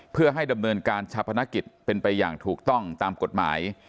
เพื่อให้ดำเนินการชาพนักกิจเป็นไปอย่างถูกต้องตามกฎหมาย